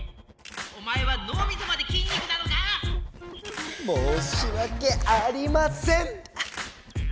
おまえはのうみそまで筋肉なのか⁉もうしわけありません！